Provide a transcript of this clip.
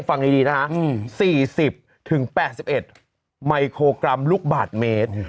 ฟังดีนะคะ๔๐๘๑มิโครกรัมลูกบาทเมตร